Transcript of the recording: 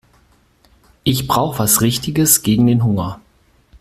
Ich brauche was Richtiges gegen den Hunger.